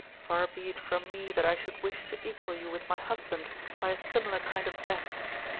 Far be it from me, that I should wish to equal you with my husband, by a similar kind of death.